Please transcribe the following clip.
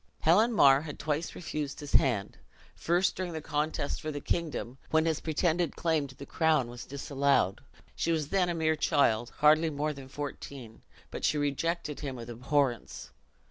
Helen Mar had twice refused his hand: first, during the contest for the kingdom, when his pretended claim to the crown was disallowed. She was then a mere child, hardly more than fourteen; but she rejected him with abhorrence.